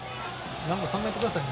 何か考えておいてくださいね。